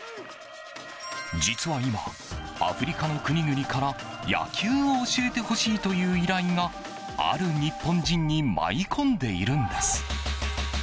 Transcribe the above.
実は今、アフリカの国々から野球を教えてほしいという依頼がある日本人に舞い込んでいるんです。